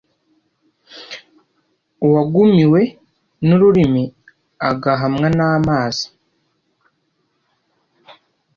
. Uwagumiwe n’ururimi ahagamwa n’amazi